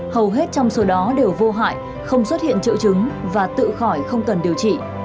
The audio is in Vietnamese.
hầu hết trong số đó đều vô hại không xuất hiện triệu chứng và tự khỏi không cần điều trị